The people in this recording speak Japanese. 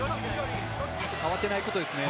慌てないことですね。